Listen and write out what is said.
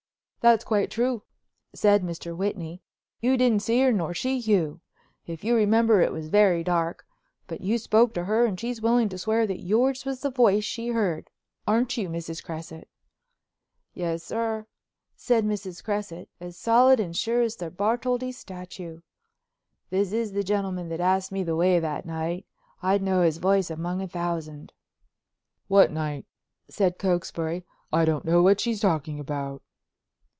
"That's quite true," said Mr. Whitney, "you didn't see her nor she you. If you remember it was very dark. But you spoke to her and she's willing to swear that yours was the voice she heard. Aren't you, Mrs. Cresset?" "Yes, sir," said Mrs. Cresset, as solid and sure as the Bartholdi statue. "This is the gentleman that asked me the way that night. I'd know his voice among a thousand." "What night?" said Cokesbury. "I don't know what she's talking about."